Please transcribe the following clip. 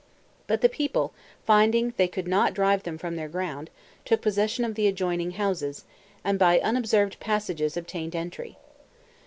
But the people, finding they could not drive them from their ground, took possession of the adjoining houses, and by unobserved passages obtained entry.